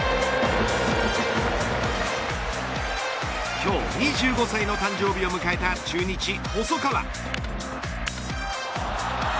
今日、２５歳の誕生日を迎えた中日、細川。